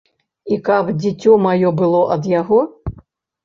І каб дзіцё маё было ад яго?